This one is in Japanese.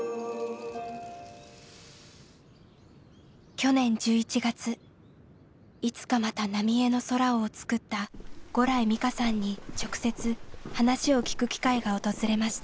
去年１１月「いつかまた浪江の空を」を作った牛来美佳さんに直接話を聞く機会が訪れました。